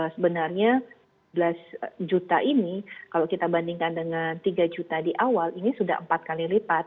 sebenarnya sebelas juta ini kalau kita bandingkan dengan tiga juta di awal ini sudah empat kali lipat